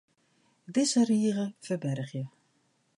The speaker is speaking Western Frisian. Dizze rige ferbergje.